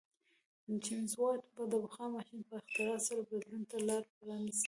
جېمز واټ د بخار ماشین په اختراع سره بدلون ته لار پرانیسته.